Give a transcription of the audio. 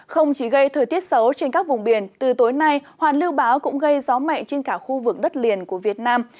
không chỉ gây thời tiết xấu trên các vùng biển từ tối nay hoàn lưu báo cũng gây gió mạnh trên cả khu vực đất liền của việt nam